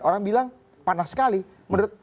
orang bilang panas sekali menurut